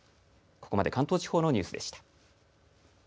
ここまで関東地方のニュースでした。